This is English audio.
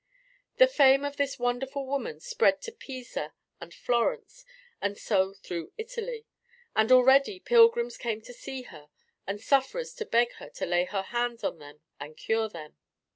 The fame of this wonderful woman spread to Pisa and Florence, and so through Italy, and already pilgrims came to see her and sufferers to beg her to lay her hands on them and cure them.